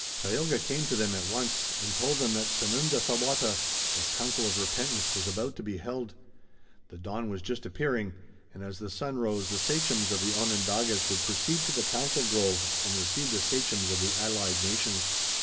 Tayoga came to them at once and told them that Sanundathawata, the council of repentance, was about to be held. The dawn was just appearing, and as the sun rose the sachems of the Onondagas would proceed to the council grove and receive the sachems of the allied nations.